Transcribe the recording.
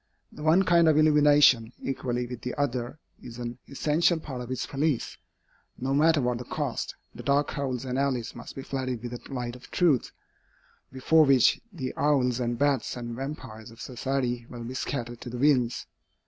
The one kind of illumination, equally with the other, is an essential part of its police. No matter what the cost, the dark holes and alleys must be flooded with the light of truth, before which the owls and bats and vampyres of society will be scattered to the winds.